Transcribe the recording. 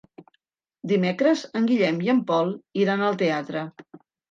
Dimecres en Guillem i en Pol iran al teatre.